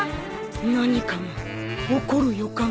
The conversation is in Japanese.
何かが起こる予感がする。